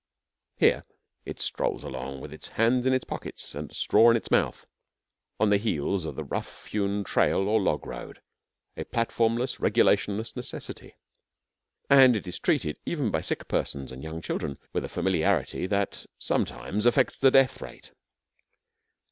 Here it strolls along, with its hands in its pockets and a straw in its mouth, on the heels of the rough hewn trail or log road a platformless, regulationless necessity; and it is treated even by sick persons and young children with a familiarity that sometimes affects the death rate.